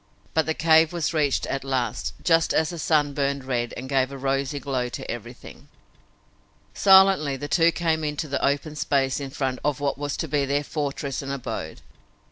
But the cave was reached at last, just as the sun burned red and gave a rosy glow to everything. Silently the two came into the open space in front of what was to be their fortress and abode.